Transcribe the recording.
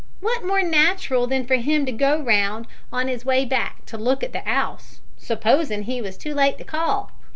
Wot more nat'ral than for him to go round on 'is way back to look at the 'ouse supposin' he was too late to call?